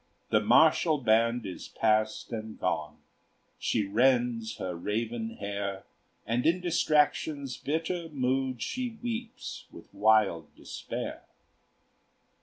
The martial band is past and gone; She rends her raven hair, And in distraction's bitter mood She weeps with wild despair.